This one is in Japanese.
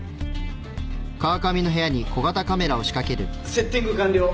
セッティング完了。